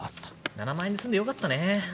７万円で済んでよかったね。